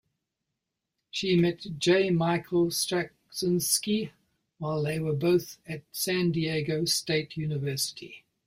She met J. Michael Straczynski while they were both at San Diego State University.